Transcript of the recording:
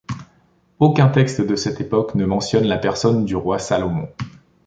Aucun texte de cette époque ne mentionne la personne du roi Salomon.